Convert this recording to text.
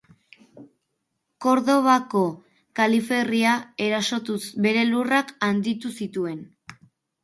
Kordobako kaliferria erasotuz bere lurrak handitu zituen.